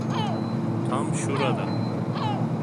Tam şurada.